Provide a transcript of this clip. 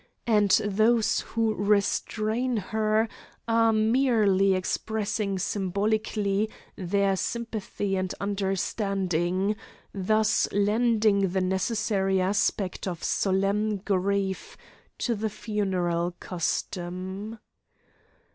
And those who restrain her are merely expressing symbolically their sympathy and understanding, thus lending the necessary aspect of solemn grief to the funeral custom.